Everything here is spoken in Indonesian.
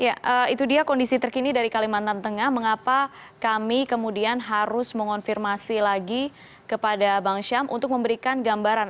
ya itu dia kondisi terkini dari kalimantan tengah mengapa kami kemudian harus mengonfirmasi lagi kepada bang syam untuk memberikan gambaran